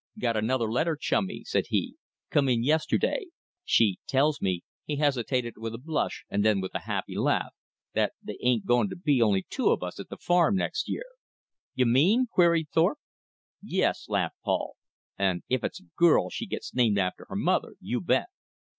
"Got another letter, chummy," said he, "come in yesterday. She tells me," he hesitated with a blush, and then a happy laugh, "that they ain't going to be only two of us at the farm next year." "You mean!" queried Thorpe. "Yes," laughed Paul, "and if it's a girl she gets named after her mother, you bet."